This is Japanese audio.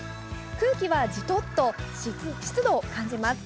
空気は、じとっと湿度を感じます。